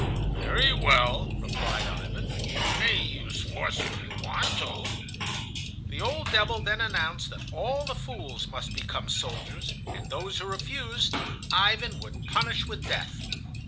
"Very well," replied Ivan, "you may use force if you want to." The old devil then announced that all the fools must become soldiers, and those who refused, Ivan would punish with death.